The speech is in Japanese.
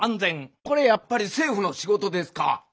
これやっぱり政府の仕事ですか？